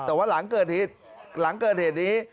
แต่ว่าหลังเกิดเหตุนี้